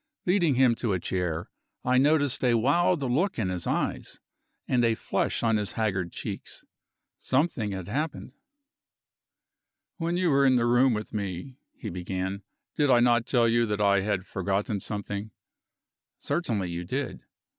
Leading him to a chair, I noticed a wild look in his eyes, and a flush on his haggard cheeks. Something had happened. "When you were with me in my room," he began, "did I not tell you that I had forgotten something?" "Certainly you did."